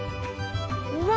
うわ！